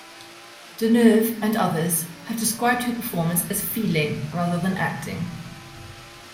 Deneuve and others have described her performance as feeling rather than acting.